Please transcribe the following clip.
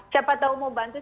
siapa tahu mau bantu